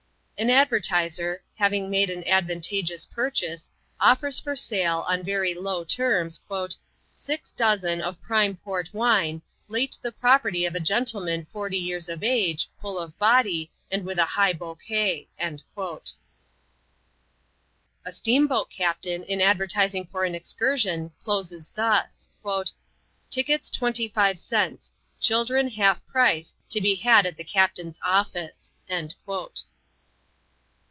An advertiser, having made an advantageous purchase, offers for sale, on very low terms, "six dozen of prime port wine, late the property of a gentleman forty years of age, full of body, and with a high bouquet." A steamboat captain, in advertising for an excursion, closes thus: "Tickets, 25 cents; children half price, to be had at the captain's office."